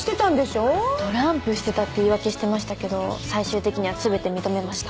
トランプしてたって言い訳してましたけど最終的には全て認めました。